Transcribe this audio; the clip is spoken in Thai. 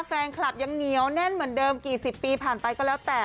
แฟนคลับยังเหนียวแน่นเหมือนเดิมกี่สิบปีผ่านไปก็แล้วแต่